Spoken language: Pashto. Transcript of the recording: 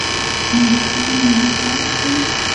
نورستان ملي پارک دی